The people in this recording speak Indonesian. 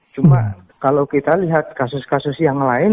cuma kalau kita lihat kasus kasus yang lain